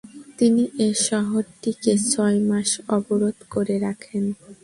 তিনি এ শহরটিকে ছয় মাস অবরোধ করে রাখেন।